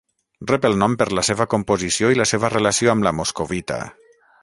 Rep el nom per la seva composició i la seva relació amb la moscovita.